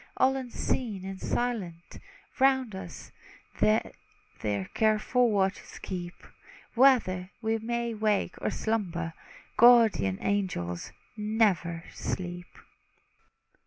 All unseen and silent, round us They their careful watches keep; Whether we may wake, or slumber, Guardian angels never sleep!